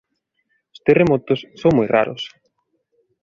Os terremotos son moi raros.